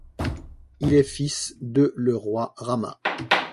Il est fils de le roi Rama.